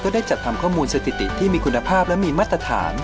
ได้จัดทำข้อมูลสถิติที่มีคุณภาพและมีมาตรฐาน